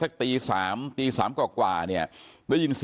อายุ๑๐ปีนะฮะเขาบอกว่าเขาก็เห็นถูกยิงนะครับ